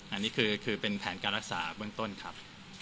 อันนี้คือเป็นแผนการรักษาเบื้องต้นครับ